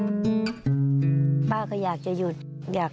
ป้าก็ทำของคุณป้าได้ยังไงสู้ชีวิตขนาดไหนติดตามกัน